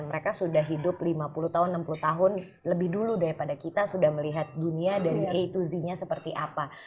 mereka sudah hidup lima puluh tahun enam puluh tahun lebih dulu daripada kita sudah melihat dunia dari a dua z nya seperti apa